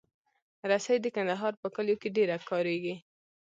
رسۍ د کندهار په کلیو کې ډېره کارېږي.